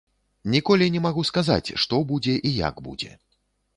Ніколі не магу сказаць, што будзе і як будзе.